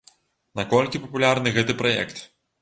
Наколькі папулярны гэты праект?